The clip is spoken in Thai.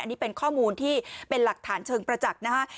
อันนี้เป็นข้อมูลที่เป็นหลักฐานเชิงประจักษ์นะฮะ